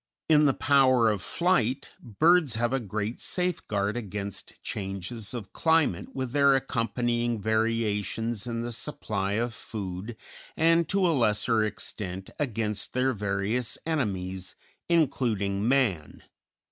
In the power of flight, birds have a great safeguard against changes of climate with their accompanying variations in the supply of food, and, to a lesser extent, against their various enemies, including man.